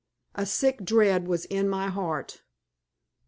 A sick dread was in my heart.